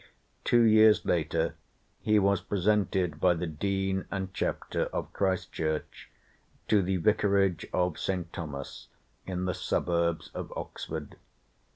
Two years later he was presented by the Dean and Chapter of Christ Church to the vicarage of St. Thomas in the suburbs of Oxford.